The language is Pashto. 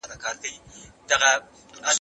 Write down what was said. پلار مي وویل چي ما پرون نوی کتاب مطالعه کړ.